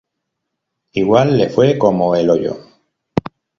Igual le fue como el hoyo.